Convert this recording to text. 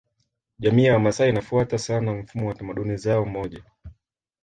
Jamii ya Wamasai inafuata sana mfumo wa tamaduni zao moja